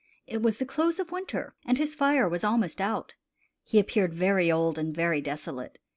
It was the close of winter, and his fire was almost ont. He appeared very old and very desolate.